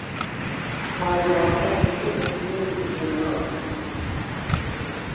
حاجۆ ئاغا دەچێتە دیدەنی ژنەراڵ